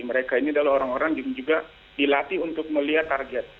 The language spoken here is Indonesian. mereka ini adalah orang orang yang juga dilatih untuk melihat target